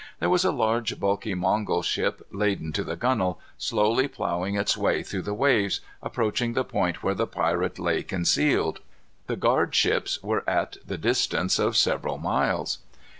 There was a large, bulky Mongol ship, laden to the gunwales, slowly ploughing its way through the waves, approaching the point where the pirate lay concealed. The guard ships were at the distance of several miles.